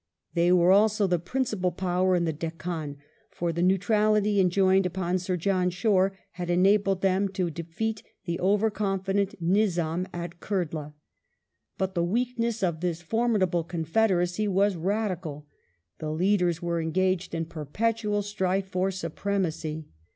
They were also the principal power in the Deccan, for the neutrality enjoined upon Sir John Shore had enabled them to defeat the over confident Nizam at Kurdlah ; but the weakness of this formidable confederacy was radical — the leaders were engaged in perpetual strife for supremacy.